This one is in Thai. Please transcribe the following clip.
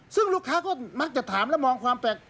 ซึ่งลูกค้าก็มักจะถามและมองความแปลก